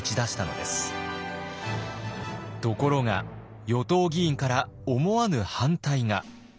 ところが与党議員から思わぬ反対が。